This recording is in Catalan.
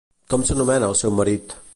Com s'anomena el seu marit?